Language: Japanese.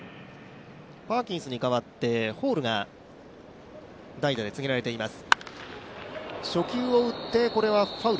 パーキンスに代わって、ホールが代打で告げられています。